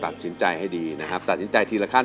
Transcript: ตัดสินใจให้ดีนะครับตัดสินใจทีละขั้น